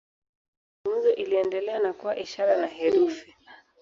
Lugha ya mazungumzo iliendelea na kuwa ishara na herufi.